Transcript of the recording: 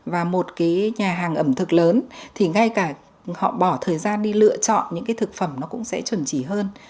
và một cái nhà hàng ẩm thực lớn thì ngay cả họ bỏ thời gian đi lựa chọn những cái thực phẩm nó cũng sẽ chuẩn chỉ hơn